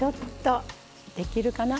できるかな。